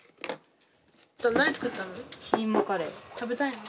何作ったの？